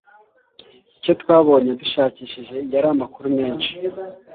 Icyo twabonye dushakishije yari amakuru menshi